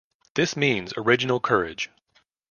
This means original courage.